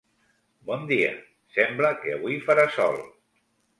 Bon dia, sembla que avui farà sol.